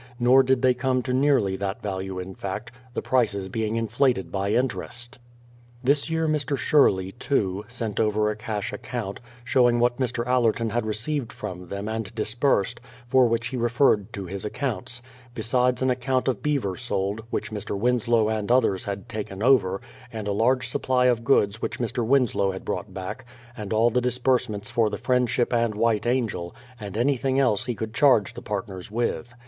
Nor did they come to nearly that value in fact, the prices being inflated by interest. This year Mr. Sherley, too, sent over a cash account, showing what Mr. Allerton had received from them and disbursed, for which he referred to his accounts ; besides an account of beaver sold, which Mr. Winslow and others had taken over, and a large supply of goods which Mr. Winslow had brought back, and all the disbursements for the Friendship and White Angel, and anything else he could charge the partners with.